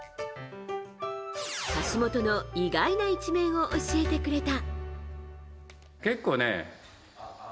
橋本の意外な一面を教えてくれた。